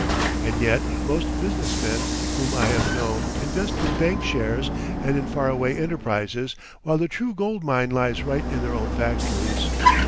And yet most business men whom I have known invest in bank shares and in far away enterprises, while the true gold mine lies right in their own factories.